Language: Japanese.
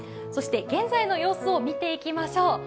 そして現在の様子を見ていきましょう。